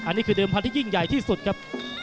อันนี้คือเดิมพันธุ์ยิ่งใหญ่ที่สุดครับ